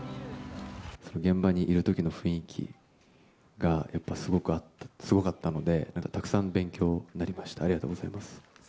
現場にいるときの雰囲気が、やっぱすごかったので、たくさん勉強になりました。